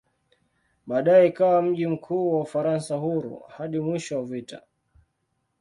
Baadaye ikawa mji mkuu wa "Ufaransa Huru" hadi mwisho wa vita.